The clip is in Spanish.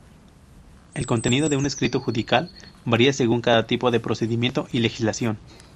El contenido de un escrito judicial varía según cada tipo de procedimiento y legislación.